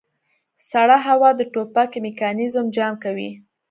سړه هوا د ټوپک میکانیزم جام کوي